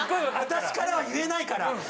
私からは言えないから。